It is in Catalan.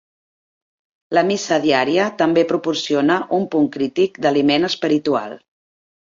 La missa diària també proporciona un punt crític d'aliment espiritual.